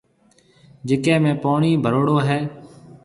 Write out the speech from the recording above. جڪَي ۾ پوڻِي ڀروڙو هيَ۔